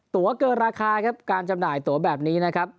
ตัวเกินราคาครับการจำหน่ายตัวแบบนี้นะครับ